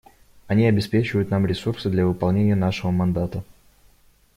Они обеспечивают нам ресурсы для выполнения нашего мандата.